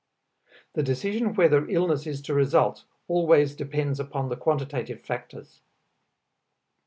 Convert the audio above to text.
The decision whether illness is to result always depends upon the quantitative factors.